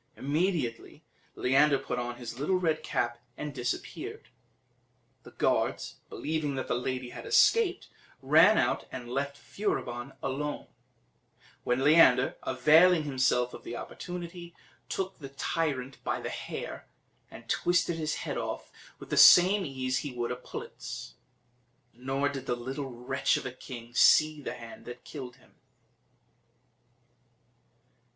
Immediately Leander put on his little red cap and disappeared. The guards, believing that the lady had escaped, ran out and left Furibon alone; when Leander, availing himself of the opportunity, took the tyrant by the hair, and twisted his head off with the same ease he would a pullet's; nor did the little wretch of a king see the hand that killed him.